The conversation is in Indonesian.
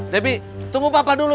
debbie tunggu papa dulu